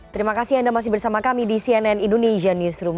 terima kasih anda masih bersama kami di cnn indonesia newsroom